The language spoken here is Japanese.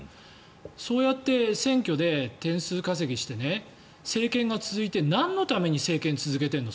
そうやって選挙で点数稼ぎして政権が続いてなんのために政権続けてるの？